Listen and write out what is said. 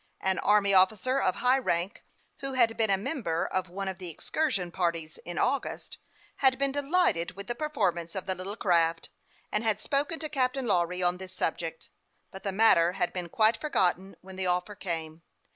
An army officer, of high rank, who had been a member of one of the excursion parties in August, had been delighted with the performance of the little craft, and had spoken to Captain Lawry on this subject ; but the matter had been quit3 forgotten when the offer came.